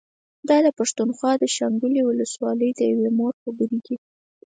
دا د پښتونخوا د شانګلې ولسوالۍ د يوې مور خبرې دي